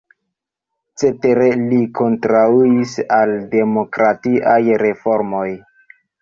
Cetere li kontraŭis al demokratiaj reformoj.